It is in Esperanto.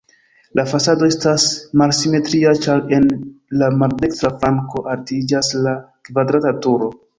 La fasado estas malsimetria, ĉar en la maldekstra flanko altiĝas la kvadrata turo.